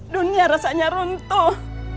dunia rasanya runtuh